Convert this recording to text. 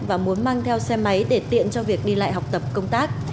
và muốn mang theo xe máy để tiện cho việc đi lại học tập công tác